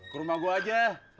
ke rumah gue aja